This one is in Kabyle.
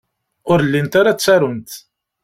Ur llint ara ttarunt.